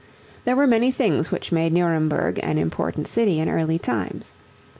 There were many things which made Nuremberg an important city in early times.